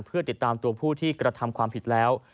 เพื่อติดตามตัวผู้ที่กระทำความผิดแล้ว